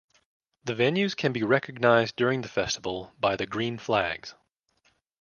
The venues can be recognised during the festival by the green flags.